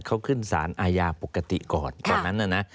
เขาขึ้นศาลอายาปกติก่อน